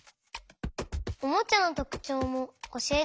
おもちゃのとくちょうもおしえて！